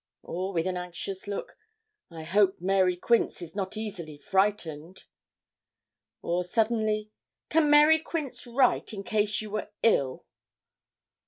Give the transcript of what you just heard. Or, with an anxious look: 'I hope Mary Quince is not easily frightened.' Or, suddenly: 'Can Mary Quince write, in case you were ill?'